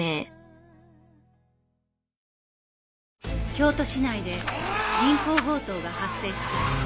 京都市内で銀行強盗が発生した